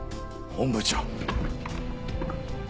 本部長。